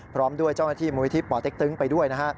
พร้อมด้วยเจ้าหน้าที่มุมวิธีปเต๊กตึ๊งไปด้วย